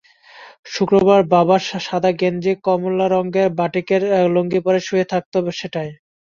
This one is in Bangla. শুক্রবার বাবা সাদা গেঞ্জি, কমলা রঙের বাটিকের লুঙ্গি পরে শুয়ে থাকত সেটায়।